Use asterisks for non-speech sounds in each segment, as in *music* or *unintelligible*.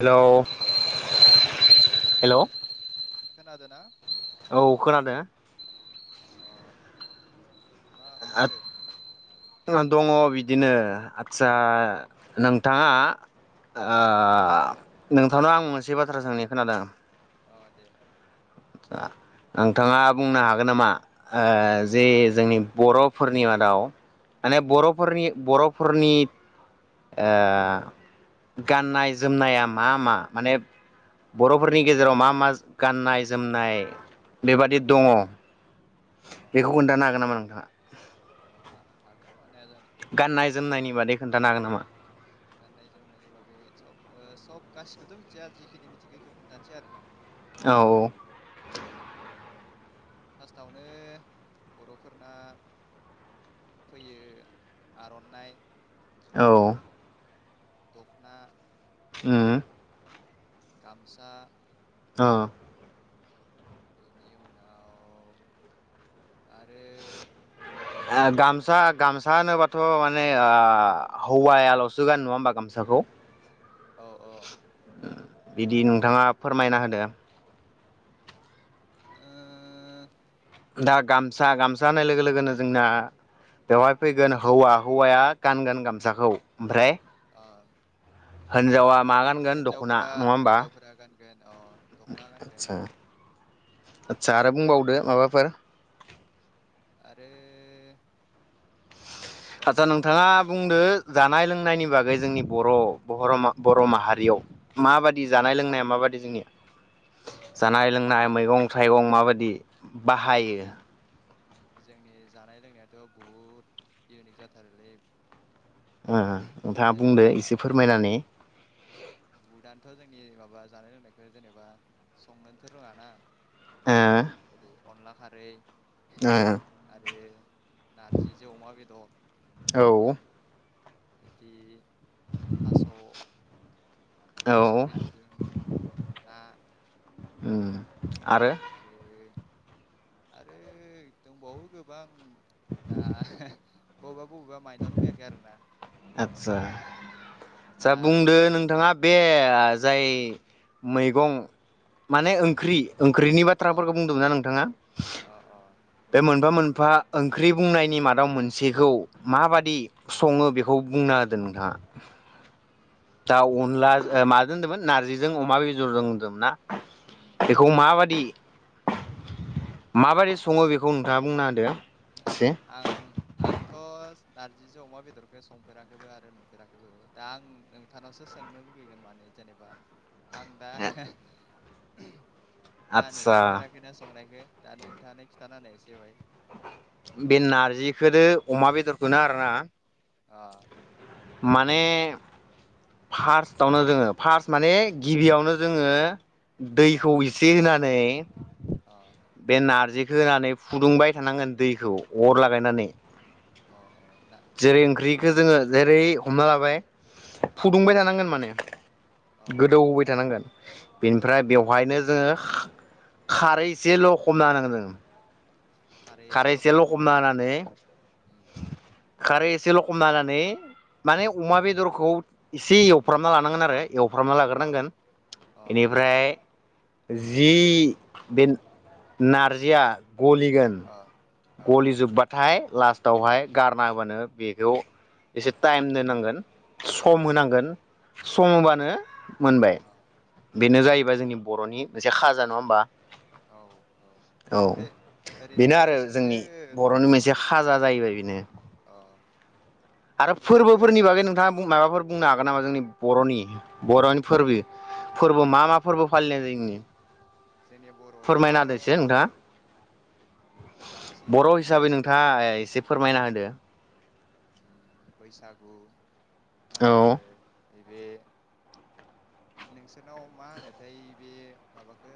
Hello hello खोनादोना औ खोनादों अ मा खामदो दङ बिदिनो आतसा नोंथाङा ओ अ नोंथांनाव आं मोनसे बाथ्रा सोंनि खोनादों अ दे आं नोंथाङा बुंनो हागोन नामा आ जे जोंनि बर'फोरनि मादाव माने बर'फोरनि बर'फोरनि ओ गाननाय जोमनाया मा मा माने बर'फोरनि गेजेराव मा मा गाननाय जोमनाय बेबादि दङ अ बेखौ खोन्थानो हागोन नामा नोंथाङा अ हागोन मानो हाया जानो गाननाय जोमनायनि बादै खोन्थानो हागोन नामा? गाननाय जोमनायनि बागै सब ओ सब गासिखौबोथ' मिथिया जिखिनि मिथिगौ बेखौ खोनन्थानोसै आरोना औ फार्स्टआवनो बर'फोरना फैयो आर'नाइ औ द'खना ओम गामसा ओ बेनि उनाव आरो गामसा गामसा होनोबाथ' माने आ हौवायाल'सो गानो नङा होमबा गामसाखौ औ औ बिदि नोंथाङा फोरमायना होदो दा गामसा गामसा होनाय लोगो लोगोनो जोंना बेवहाय फैगोन हौवा हौवाया गानगोन गामसाखौ ओमफ्राय ओ हिनजावा मा गानगोन दख'ना हिन्जावफोरा नङा होमबा हिन्जावफोरा गानगोन अ दख'ना गानगोन आदसा आदसा आरो बुंबावदो माबाफोर आरो आदसा दंनायाथ' दं नोंथाङा र' बुंदो जानाय लों नायनि बागै जोंनि बर बर' माहारियाव माबादि जानाय लोंनाया माबादि जोंनिया जानाय लोंनाय मैगं थाइगं माबादि बाहायो जों जोंनि जानाय लोंनायाथ' बहुद इउनिक जाथारोलै ओ ओ नोंथाङा बुंदो जेनेबा एसे फोरमायनानै बुहुदानोथ' जोंनि माबा जानाय लोंनायखौ जेनेबा संनोनोथ' रोङाना जेरै ए अनला खारै ओ ओ। दो नारजिजों अमा बेदर ओ बिदि थास' औ थास' औ बेदरजों ना। *inaudible* आरो आरो दंबावो गोबां दा बबेबा बबेबा माइनावनो फैयाखै आरोना। आदसा सा दा बुंदो नोंथाङा बे जाय मैगं माने उम ओंख्रि ओंख्रिनि अ बाथ्राफोरखौ बुंदोंमोन ना नोंथाङा? अ बे मोनफा मोन फा ओंख्रि बुंनायनि मादाव मोनसेखौ मा बायदि सङो बे बेखौ बुंना होदो नोंथांङा। दा अनला ओ माजों होन्दोंमोन नारजिजों अमा बेदरजों होनदोंमोनना? उम बेखौ माबादि माबोरै सङो बेखौ नोंथाङा बुंना होदो। एसे आं आंथ' नारजिजों अमा बेदरखौ संफेराखैबो आरो नुफेराखैबो दा आं नोंथानावसो सोंनो लुगैगोन माने जेनेबा आं दा मा आदसा नुफेराखैना संनायखो। दा नोंथाङानो खिथाना होनाय इसे बाय। बे नारजिखोदो अमा बेदरखौनो आरोना अ।। माने फार्स्टआवनो जोङो फार्स्ट माने गिबियावनो जोङो अ दैखौ एसे होना नै अ बे नारजि होनानै फुदुंबाय थानांगोन दैखौ अर लागायनानै अ अ ना जेरै ओंख्रि खौ जोङो जेरै हमना लाबाय। अ फुदुंबाय थानांगोन माने। अ अ गोदौहाय थानांगोन। बेनिफ्राय बेवहायनो जोङो खारै एसेल' लखबना होनांगोन जोङो। खारै एसेल' एसे खमना होनांगोन लखमना आरो ना। होननानै उम खारै एसे लख समलानानै एसे माने अमा बेदरखौ एसे एवफ्रामना लानांगोन आरो एवफ्रामना अ लाग्रोनांगोन अ बेनिफ्राय जि बे नारजिया गलिगोन अ अ गलि जोबबाथाय लास्टआवहाय गारना होबानो बेखौ एसे टाइम दोननांगोन सम अ होनांगोन अ सम होबानो मोनबाय अ बेनो जाहै बाय जोंनि बर'नि मोनसे खाजा नङा होमबा? औ औ बे ओरैनो बेसे जोंंनि बर'नि मोनसे खाजा जाहैबाय बेनो। अ आरो बेखौ फोरबोफोरनि बागै नोंथाङा माबाफोर बुंनो हागोन नामा जोंनि बर'नि बर'नि फोरबो फोरबो मा मा फोरबो फालिनाय जायो जोंनि? जोंनि बर'आवथ' नोंथाङा बर' बांसिन हिसाबै जेरै नोंथाङा एसे फोरमायना होदो। उम बैसागु आरो औ नैबे नोंसोरनाव मा होनोथाय बे माबाखो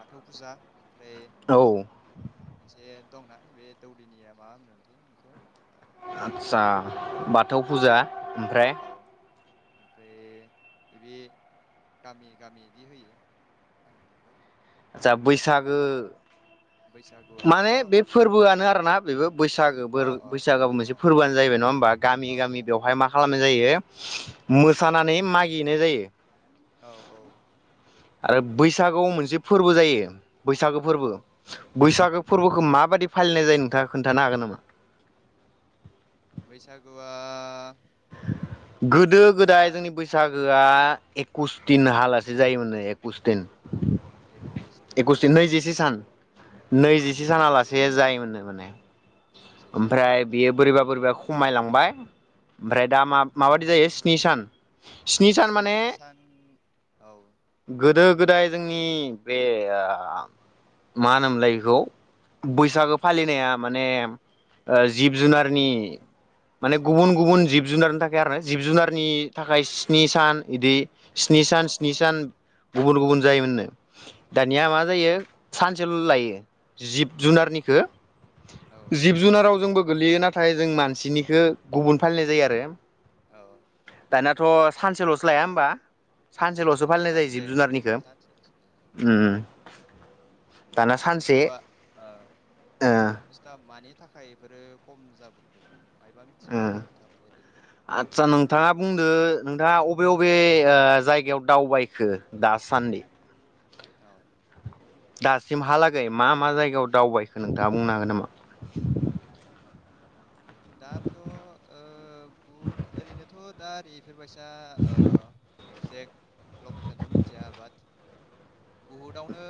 बाथौ फुजा ओमफ्राय औ मोनसे दंना बे दौदिनिया मा होनो मोनथाय बेखौ आतसा बाथौ फुजा ओमफ्राय औ ओमफ्राय बे गामि गामि बिदि होयो जा बैसागो बैसागुआथ' माने बे फोरबोआनो आरोना बेबो बैसागो अ अ बैसागोआबो अ मोनसे फोरबोआनो जाहैबाय नङा होमबा गामि अ गामि औ बेवहाय मा खालामनाय जायो। मोसानानै मागिनाय जायो। औ औ। आरो बैसागुआव मोनसे फोरबो जायो। बैसागो औ फोरबो बैसागो फोरबोखौ माबादि फालिनाय जायो नोंथाङा खोन्थानो हागोन नामा? बैसागुआ गोदो दा गोदाय जोंनि बैसा गोआ एकुस दिन हालासे जायोमोन न एकुस दिन। एकइस एकुस दिन ना नैजिसे सान नैजिसे सानालासे जायोमोननो माने नैजिसे सान ओमफ्राय बेयो बोरैबा बोरैबा खमायलांबाय ओमफ्राय दा मा उम माबायदि जायो स्नि सान। सान स्नि माने सान औ गोदो गोदाय जोंनि बे ओ मा होनोमलाय बेखौ बैसागो फालिनाया माने ओ जिब जुनारनि माने औ गुबुन गुबुन जिब जुनारनि थाखाय आरो जिब जुनारनि थाखाय स्नि सान इदि स्नि अ सान अ स्नि सान गुबुन गुबुन जायोमोन नो औ दानिया मा जायो सानसेल' लायो जिब सानसे जुनारनिखौ औ जिब जुनाराव जोंबो गोलैयो नाथाय जों मानसिनिखौ गुबुन फालिनाय जायो आरो औ दानाथ' सानसेल'सो लाया होमबा? सानसेल'सो फालिनाय लानाय जिब जायो ओं जुनारनिखो सानसेल'सो लायो उम दाना सानसे बुस्थुआ ओ ओ बुस्थुआ मानि थाखाय इफोरो खम जाबोखो मायबा मिथिगोन ओ नामा नों थाखाय ओरैनो आदसा नोंथाङा बुंदो नोंथाङा अबे अबे ओ जायगायाव दावबायखो दासान्दि? औ दासिम हालागै मा मा जायगायाव दावबायखो नोंथाङा बुंनो हागोन नामा? दाथ' ओ बु ओरैनोथ' दा ओरि बेफोर बायसा *unintelligible* एक्जेक्ट लकेसनथ' मिथिया बाट बुहुदआवनो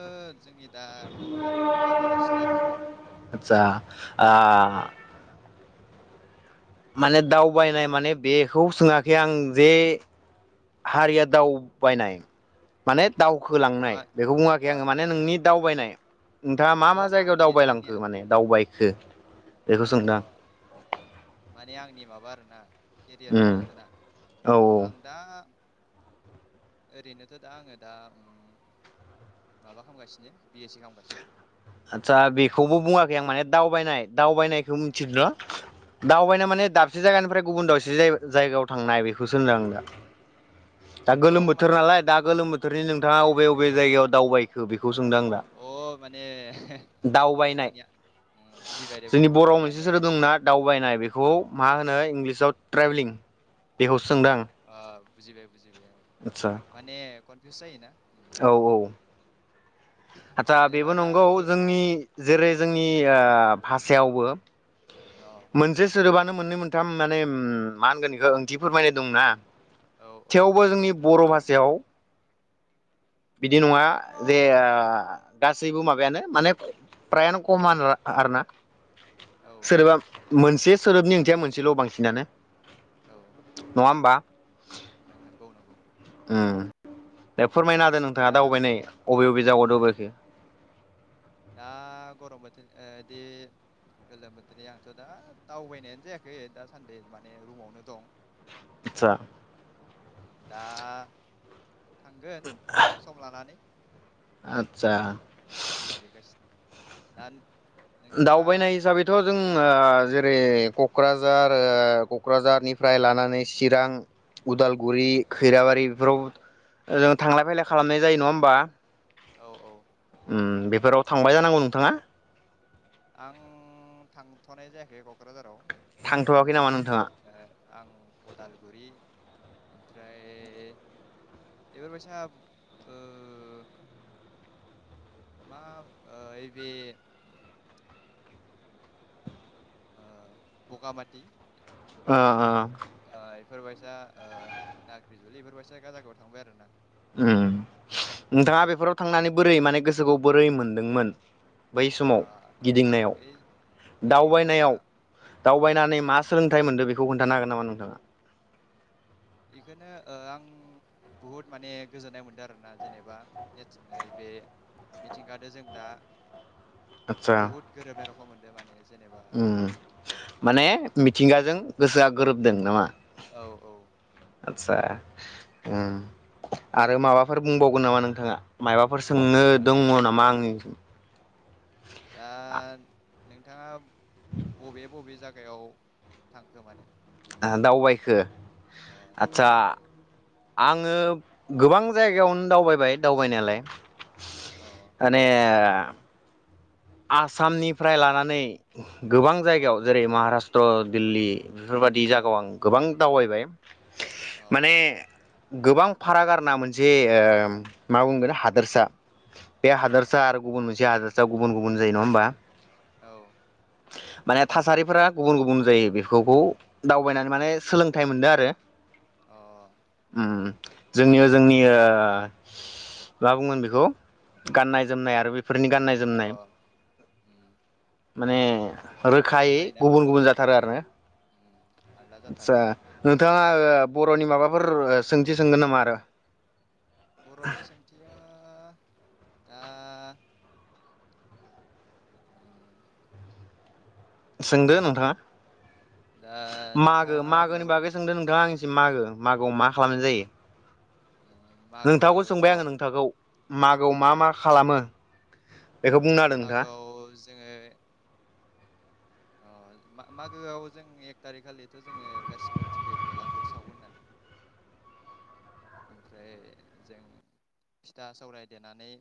जोंनि दा बर' हारियाबो दावगासिनो आरोना आदसा आ माने दावबायनाय माने बेखौ सोङाखै आं जे हारिया दावबायनाय माने दावखोलांनाय नुवा बेखौ बुङाखै अ आङो माने नोंनि दावबायनाय नोंथाङा मा अ मा जायगायाव आंनि आंनि दावबायलांखो माने दावबाय *inaudible* अ माने आंनि माबा? *inaudible* केरियारखो उम होनदों ना औ अ आं दा ओरैनोथ' दा आङो दा उम माबा खालामगासिनो बिए सि खालामगासिनो। आदसा बेखौबो बुङाखै आं माने, दावबायनाय दावबायनायखौ मिथिदों र' दावबायना माने दाबसे जायगानिफ्राय गुबुन दावसे जायगायाव थांनाय। बेखौसो होनदों आं दा। दा अ गोलोम बोथोर माने नालाय दा गोलोम बोथोरनि नोंथाङा अबे अबे बे जायगायाव दावबायखो बे बेखौ सोंदों आं दा अ माने दावबायनाय आंनिया उम बुजिबाय दे जोंनि बुजिबाय बर' आंनि मोनसे आदा सोरो दंना दावबायनाय बेखौ मा इग्लिसाव ट्रेभेलिं सोंदो आं। अ बुजिबाय। बुजिबाय आङो आदसा माने कनफिउस जायो ना? औ औ। आतसा जेनेबा बेबो दा नंगौ गो जोंनि, जेरै जोंनि भाषायावबो अ मोनसे सोदोबा मोननै मोनथाम माने मा होनगोन बेखौ ओंथि फोरमायनाय दंना। औ औ थेवबो जोंनि बर' भाषा जेव बिदि नङा जे गासैबो माबायानो माने प्रायानो कमान आरो ना। औ सोरबा मोनसे सोदोबनि ओंथिया मोनसेल' बांसिनानो। नङा होमबा? नोंगौ नोंगौ। *unintelligible* फोरमायना होदो नोंथाङा, दा दाउबायनाय अबे अबे जायगायाव आं दावबायखो। दा गरम बोथोरदि गोलोम बोथोरनि आंथ' दा दावबायनायानो जायाखै दासान्दि माने रुमावनो दं। आतचा। दा। थांगोन सम लानानै। आटसा। सम नागिरगासिनो दा नोंथाङा दावबायनाय हिसाबैथ' जों ओ जो बे क'क्राझार ओ क'क्राझारनिफ्राय लानानै चिरां उदालगुरि खैराबारि बेफोराव जों थांलाय फैलाय खालामनाय जायो नङा होमबा औ औ उम बेफोराव थांबाय जानांगौ नोंथाङा। आं थांथ'नाय जायाखै क'क्राझाराव। थांथ'वाखै ओरैनो नामा आं ओ नोंथाङा आं उदालगुरि ओमफ्राय एबार बायसा ओ मा ओ एबे ओ भगामाथि। ओ बेफोरबायसा ओ नाग्रि जुलि बेफोरबायसा जायगायाव थांबाय आरो ना। उम नोंथाङा बेफोराव थांनानै बोरै माने गोसोखौ बोरै मोनदोंमोन? बै ओ समाव गिदिंनायाव ओइ गिदिंनायाव ना दावबायनायाव दावबायनानै मास सोलोंथाइ मोनदों बेखौ खोन्थानो हागोन नामा नोंथाङा? इखोनो ओ आं बुहुद माने गोजोननाय मोनदों आरोना जेनेबा जर्स ओ ने बे मिथिंगादो जों दा बुहुत गोरोबनाय रखम मोनदों माने? जेनेबा ओम माने मिथिंगाजों गोसोआ गोरोबदों नामा? औ औ आतसा उम आरो माबाफोर बुंबावगोन नामा नोंथाङा। मायबाफोर सोंनो बुंनो दङ नामा आंनि। ओ नोंथाङा बबे बबे जायगायाव थांखो माने? दावबायखो अ आत्सा दावबायखो आङो गोबां जायगायावनो दावबाय दावबायनायालाय। अ माने आसामनिफ्राय लानानै गोबां अ जायगायाव अ जेरै महाराष्ट्र दिल्लि बेफोरबायदि अ जायगायाव आं गोबां दावबायबाय अ अ माने गोबां फाराग आरोना मोनसे ओम मा बुंगोन हादोरसा बे हादोरसा आरो गुबुन मोनसे हादोर *unintelligible* गुबुन गुबुन जायो नङा होमबा? औ। माने थासारिफोरा गुबुन गुबुन जायो बेफोरखौ दावबायनानै माने सोलोंथाइ मोनदों आरो। अ। ओम जोंनियाव जोंनि ओ मा बुंगोन बेखौ गाननाय जोमनाय आरो बे बेफोरनि गाननाय जोमनाय अ उम माने बहुद आलदा रोखायै जायोना गुबुन गुबुन उम जाथारो आरो ने? उम आलदा जाथारो आतसा नोंथाङा ओ बर'नि माबाफोर सोंथि सोंगोन नामा आरो? बर'नि सोंथिया दा सोंदो दा नोंथाङा। मागो नोंथाङा मागोनि माबा बागै सोंदो नोंथां आं जे मागो मागोआव मा खालामनाय जायो‌? मागो नोंथाखौ सोंबाय आङो अ नोंथांखौ? मागोआव मा मा खालामो? बेखौ बुंनो हादों नोंथाङा। मागोआव जोङो अ मागोआव जों एक थारिखालिथ' जोङो गासिबो मिथिगौ बेलागुर सावो होननानै ओमफ्राय जों फिथा सौवराय देनानै